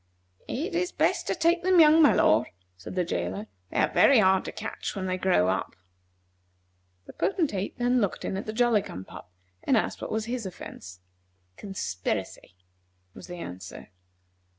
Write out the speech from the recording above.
"It is best to take them young, my lord," said the jailer. "They are very hard to catch when they grow up." The Potentate then looked in at the Jolly cum pop, and asked what was his offence. "Conspiracy," was the answer.